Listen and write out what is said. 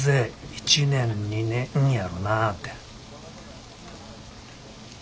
１年２年やろなて。